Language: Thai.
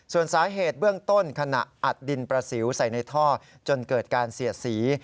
ส่วนสาเหตุเบื้องต้นขณะอัดดินประสิวใส่ในท่อจนเกิดการเสียดสี